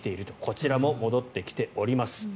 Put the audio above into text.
こちらも戻ってきております。